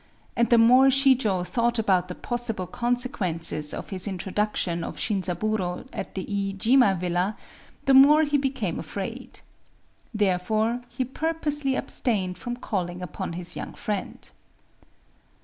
And the more Shijō thought about the possible consequences of his introduction of Shinzaburō at the Iijima villa, the more he became afraid. Therefore he purposely abstained from calling upon his young friend.